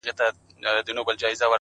هره هڅه د بریا تخم کرل دي؛